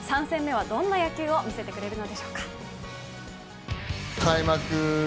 ３戦目は、どんな野球を見せてくれるのでしょうか。